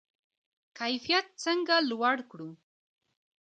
کیفیت څنګه لوړ کړو؟